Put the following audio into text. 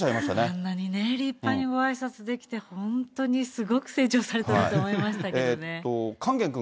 あんなに立派にごあいさつできて、本当にすごく成長されたなと思いましたけどね。